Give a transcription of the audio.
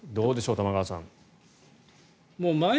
玉川さん。